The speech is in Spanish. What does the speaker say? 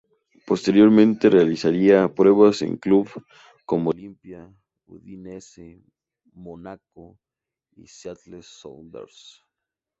Posteriormente realizaría pruebas en clubes como Olimpia, Udinese, Mónaco y Seattle Sounders.